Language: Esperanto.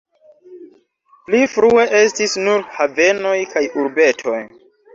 Pli frue estis nur havenoj kaj urbetoj.